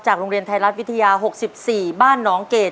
โรงเรียนไทยรัฐวิทยา๖๔บ้านน้องเกด